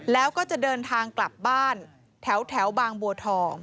แล้วก็จะเดินทางกลับบ้านแถวบางบัวทอง